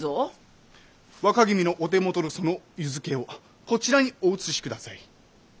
若君のお手元のその湯漬けをこちらにお移しください。